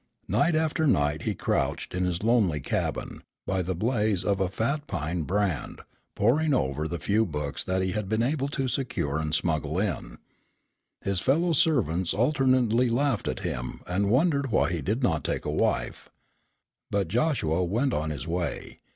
Night after night he crouched in his lonely cabin, by the blaze of a fat pine brand, poring over the few books that he had been able to secure and smuggle in. His fellow servants alternately laughed at him and wondered why he did not take a wife. But Joshua went on his way.